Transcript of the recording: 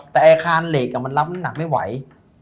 แต่อาคารเหล็กมันรับน้ำหนักไม่ไหว